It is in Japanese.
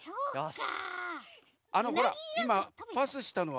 あのほらパスしたのは。